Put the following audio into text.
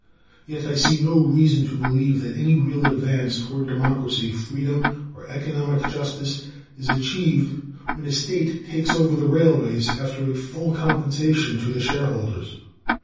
Yet I see no reason to believe that any real advance toward democracy, freedom, or economic justice is achieved when a state takes over the railways after full compensation to the shareholders.